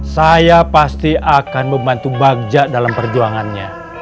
saya pasti akan membantu bagja dalam perjuangannya